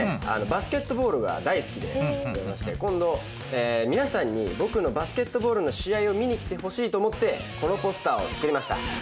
バスケットボールが大好きでございまして今度皆さんに僕のバスケットボールの試合を見に来てほしいと思ってこのポスターを作りました。